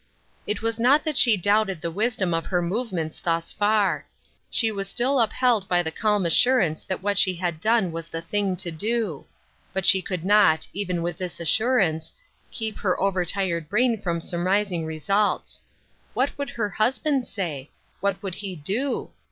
It was not that she doubted the wisdom of her movements thus far ; she was still upheld by the calm assurance that what she had done was the thing to do ; but she could not, even with this assurance, keep her over tired brain from surmising results. What would her husband say ? What would he do